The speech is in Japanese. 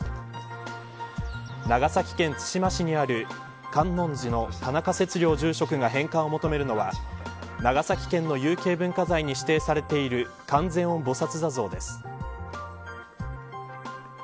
長崎県対馬市にある観音寺の田中節竜住職が返還を求めるのは長崎県の有形文化財に指定されている観世音菩薩坐像です。